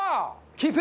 キープ！